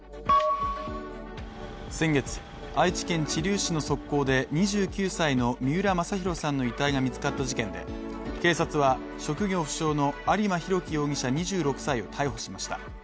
先月、愛知県知立市の側溝で２９歳の三浦正裕さんの遺体が見つかった事件で、警察は、職業不詳の有馬滉希容疑者２６歳を逮捕しました。